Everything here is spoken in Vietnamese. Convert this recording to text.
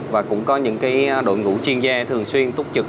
và cũng có những đội ngũ chuyên gia thường xuyên túc trực